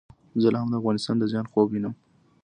زه لا هم د افغانستان د زیان خوب وینم.